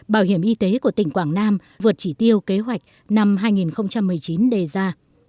bảo hiểm y tế của tỉnh quảng nam vượt chỉ tiêu kế hoạch năm hai nghìn một mươi chín đề ra